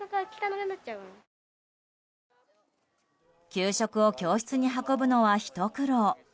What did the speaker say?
給食を教室に運ぶのはひと苦労。